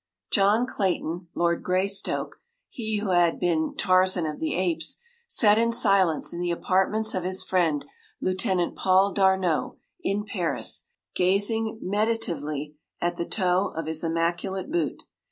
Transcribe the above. ” John Clayton, Lord Greystoke—he who had been “Tarzan of the Apes”—sat in silence in the apartments of his friend, Lieutenant Paul D’Arnot, in Paris, gazing meditatively at the toe of his immaculate boot.